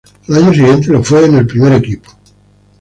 Al año siguiente lo fue en el primer equipo.